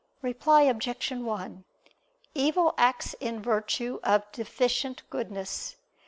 Reply Obj. 1: Evil acts in virtue of deficient goodness.